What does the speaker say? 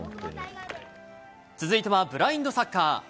続いてはブラインドサッカー。